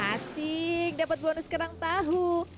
asing dapat bonus kerang tahu